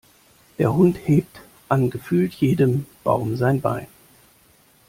Der Hund hebt an gefühlt jedem Baum sein Bein.